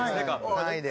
３位で。